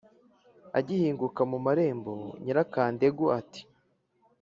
agihinguka mu marembo, nyirakandengu ati: